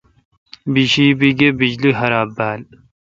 بیشی بی گہ بجلی خراب بال۔